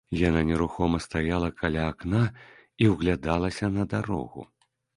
Яна нерухома стаяла каля акна і ўглядалася на дарогу.